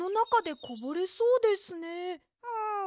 うん。